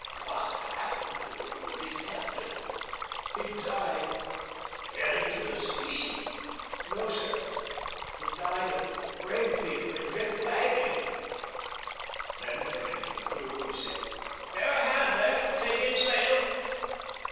"What happened to the worthy captain?" "He died." "Fell into the sea?" "No, sir, he died of brain fever in dreadful agony." Then turning to the crew, he said, "Bear a hand there, to take in sail!"